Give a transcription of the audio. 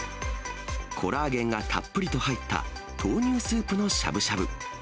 コラーゲンがたっぷりと入った、豆乳スープのしゃぶしゃぶ。